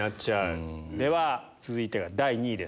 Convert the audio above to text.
では続いてが第２位です。